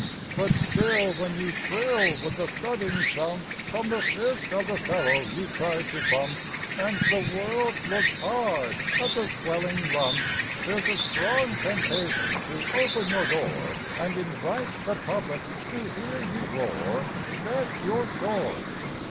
But still when you thrill with the thudding thump From the fist of the fellow you tried to bump And the world looks hard at the swelling lump, There's a strong temptation to open your door And invite the public to hear you roar That you're sore.